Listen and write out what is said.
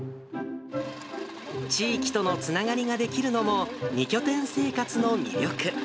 地域とのつながりができるのも、２拠点生活の魅力。